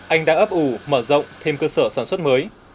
anh đã ấp ủ mở rộng thêm cơ sở sản xuất mới